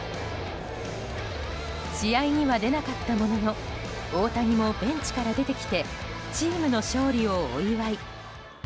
試合には出なかったものの大谷もベンチから出てきてチームの勝利をお祝い。